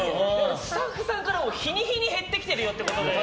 スタッフさんからも日に日に減ってきてるよってことで。